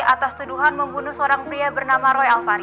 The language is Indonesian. atas tuduhan membunuh seorang pria bernama roy alvan